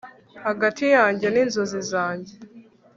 hagati yanjye n'inzozi zanjye